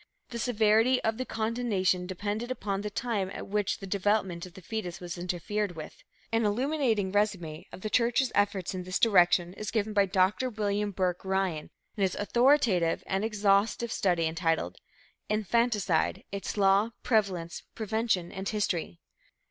The severity of the condemnation depended upon the time at which the development of the foetus was interfered with. An illuminating resume of the church's efforts in this direction is given by Dr. William Burke Ryan in his authoritative and exhaustive study entitled "Infanticide; Its Law, Prevalence, Prevention and History". Dr.